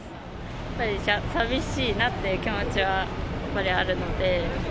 やっぱり寂しいなって気持ちは、やっぱりあるので。